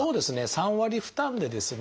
３割負担でですね